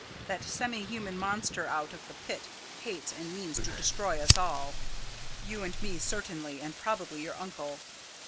That semi human monster out of the pit hates and means to destroy us all you and me certainly, and probably your uncle.